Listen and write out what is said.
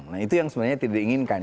nah itu yang sebenarnya tidak diinginkan